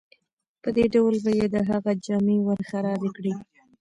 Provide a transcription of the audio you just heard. په دې ډول به یې د هغه جامې ورخرابې کړې.